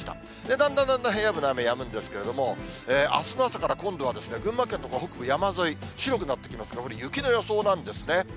だんだんだんだん平野部の雨やむんですけれども、あすの朝から今度は群馬県の北部山沿い、白くなってきますが、これ、雪の予想なんですね。